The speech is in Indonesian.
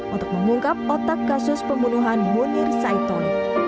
untuk mengungkap otak kasus pembunuhan munir saitolik